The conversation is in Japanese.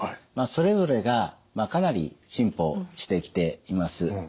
それぞれがかなり進歩してきています。